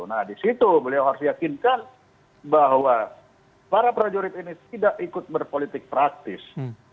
nah disitu beliau harus meyakinkan bahwa para prajurit ini tidak ikut berpolitik praktis